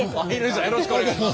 よろしくお願いします。